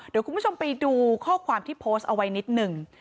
เดี๋ยวคุณผู้ชมไปดูข้อความที่โพสต์เอาไว้นิดหนึ่ง